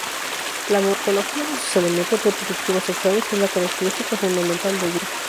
La morfología de sus elementos reproductivos sexuales es la característica fundamental del grupo.